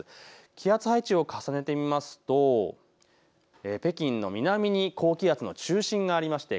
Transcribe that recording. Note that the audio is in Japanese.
気圧配置を重ねると北京の南に高気圧の中心があって